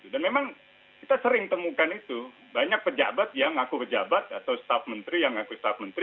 dan memang kita sering temukan itu banyak pejabat yang ngaku pejabat atau staf menteri yang ngaku staf menteri